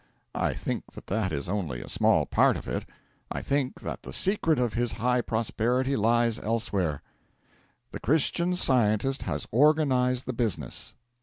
I think that that is only a small part of it. I think that the secret of his high prosperity lies elsewhere: The Christian Scientist has organised the business.